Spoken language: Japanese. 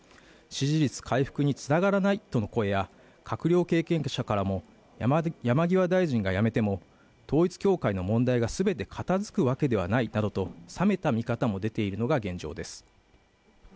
支持率回復につながらないとの声や閣僚経験者からも山際大臣が辞めても統一教会の問題が全て片づくわけではないとの冷めた見方も出ているのが現状です。